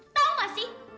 tau nggak sih